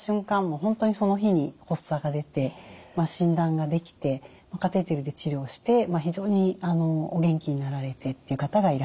もう本当にその日に発作が出て診断ができてカテーテルで治療して非常にお元気になられてっていう方がいらっしゃいます。